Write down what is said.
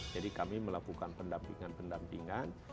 jadi kami melakukan pendampingan pendampingan